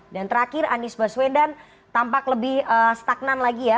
dan terakhir anies baswedan tampak lebih stagnan lagi ya